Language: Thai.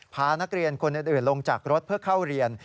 พานักเรียนคนอื่นลงจากรถเพื่อเข้าเรียน